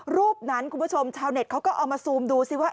รูปนั้นคุณผู้ชมชาวเน็ตเขาก็เอามาซูมดูสิว่า